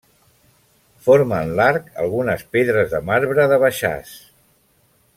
Formen l'arc algunes pedres de marbre de Baixàs.